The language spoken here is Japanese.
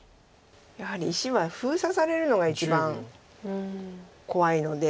やはり石は封鎖されるのが一番怖いので。